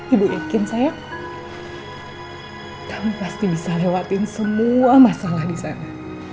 ibu yakin saya kamu pasti bisa lewatin semua masalah di sana